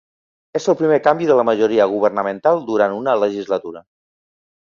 És el primer canvi de la majoria governamental durant una legislatura.